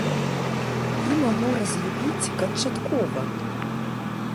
І магу разлюбіць канчаткова!